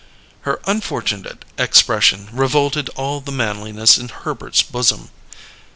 Her unfortunate expression revolted all the manliness in Herbert's bosom.